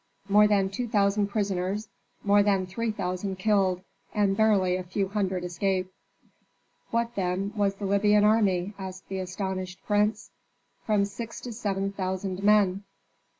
"More than two thousand prisoners, more than three thousand killed, and barely a few hundred escaped." "What, then, was the Libyan army?" asked the astonished prince. "From six to seven thousand men."